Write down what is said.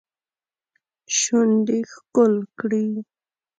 شونډې ښکل کړي